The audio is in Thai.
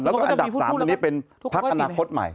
แล้วก็อันดับสามอันนี้เป็นพรรคอนาโฆษต์ใหม่